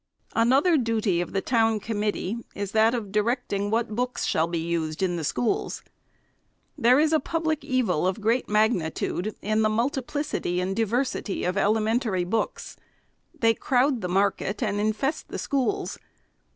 Another duty of the town committee is that of direct ing what books shall be used in the schools. There is a public evil of great magnitude in the multiplicity and diversity of elementary books. They crowd the market, and infest the schools.